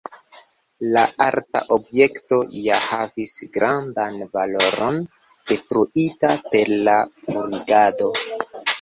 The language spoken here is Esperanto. La arta objekto ja havis grandan valoron, detruita per la purigado.